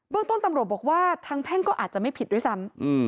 ต้นตำรวจบอกว่าทางแพ่งก็อาจจะไม่ผิดด้วยซ้ำ